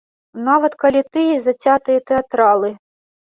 Нават калі тыя зацятыя тэатралы.